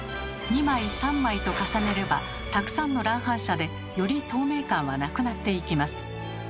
２枚３枚と重ねればたくさんの乱反射でより透明感はなくなっていきます。